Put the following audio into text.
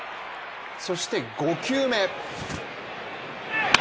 そして５球目。